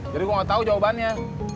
gue gak tau jawabannya